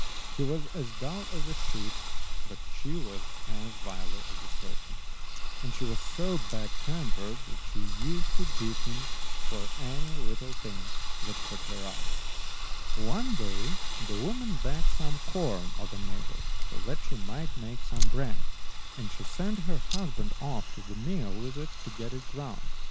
He was as dull as a sheep, but she was as wily as a serpent, and she was so bad tempered that she used to beat him for any little thing that put her out. One day the woman begged some corn of a neighbour so that she might make some bread, and she sent her husband off to the mill with it to get it ground.